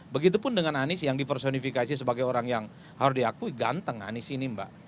begitupun dengan anies yang dipersonifikasi sebagai orang yang harus diakui ganteng anies ini mbak